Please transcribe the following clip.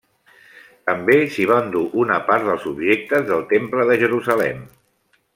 També s'hi va endur una part dels objectes del temple de Jerusalem.